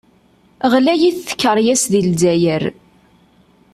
Γlayit tkeryas di Lezzayer.